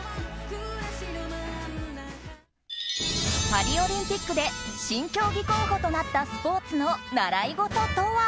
パリオリンピックで新競技候補となったスポーツの習い事とは？